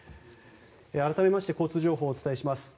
改めまして、交通情報をお伝えします。